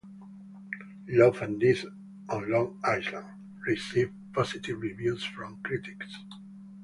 "Love and Death on Long Island" received positive reviews from critics.